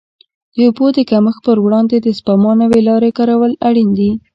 د اوبو د کمښت پر وړاندې د سپما نوې لارې کارول اړین دي.